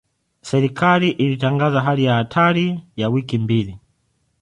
Serikali ilitangaza hali ya hatari ya wiki mbili.